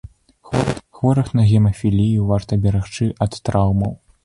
Хворых на гемафілію варта берагчы ад траўмаў.